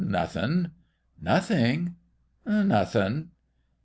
" Nothing ?"" Nothing."